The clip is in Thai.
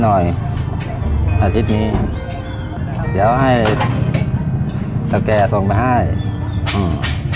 หน่อยอาทิตย์นี้เดี๋ยวให้สแก่ส่งไปให้อืม